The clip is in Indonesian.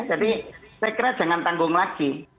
jadi saya kira jangan tanggung lagi